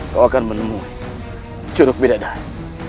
kau akan menemui curug bidadari